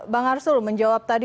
bang arsura menjawab tadi